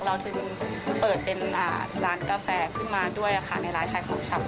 เราถึงเปิดเป็นร้านกาแฟขึ้นมาด้วยค่ะในร้านขายของชำ